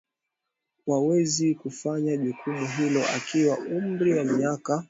wawezi kufanya jukumu hilo akiwa na umri ya miaka